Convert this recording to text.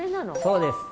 そうです。